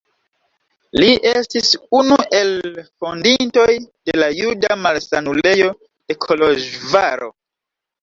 Li estis unu el fondintoj de la Juda Malsanulejo de Koloĵvaro.